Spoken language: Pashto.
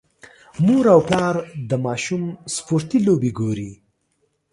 مور او پلار د ماشوم سپورتي لوبې ګوري.